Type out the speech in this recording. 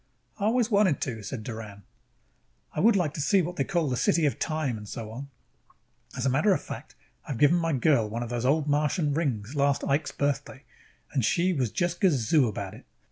"I always wanted to," said Doran. "I would like to see the what they call City of Time, and so on. As a matter of fact, I have given my girl one of those Old Martian rings last Ike's Birthday and she was just gazoo about it.